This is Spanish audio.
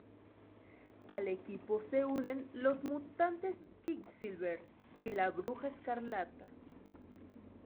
Al equipo se unen los mutantes Quicksilver y la Bruja Escarlata.